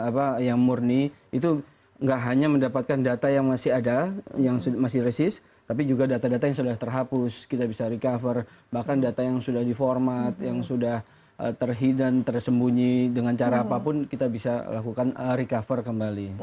apa yang murni itu nggak hanya mendapatkan data yang masih ada yang masih resis tapi juga data data yang sudah terhapus kita bisa recover bahkan data yang sudah diformat yang sudah terhidan tersembunyi dengan cara apapun kita bisa lakukan recover kembali